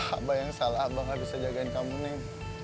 abah yang salah abah gak bisa jagain kamu neng